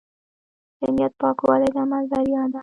د نیت پاکوالی د عمل بریا ده.